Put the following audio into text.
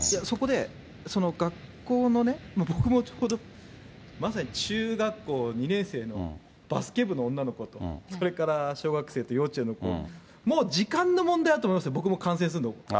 そこでこの学校の、僕もまさに、中学校２年生のバスケ部の女の子と、それから小学生と幼稚園の子、もう時間の問題だと思いますよ、僕も感染するの。